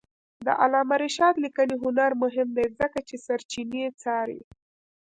د علامه رشاد لیکنی هنر مهم دی ځکه چې سرچینې څاري.